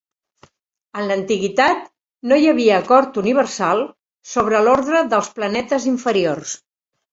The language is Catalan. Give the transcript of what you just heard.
En la antiguitat, no hi havia acord universal sobre l'ordre dels planetes inferiors.